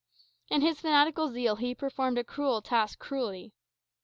In his fanatical zeal he performed a cruel task cruelly.